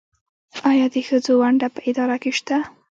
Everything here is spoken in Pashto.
آیا د ښځو ونډه په اداره کې شته؟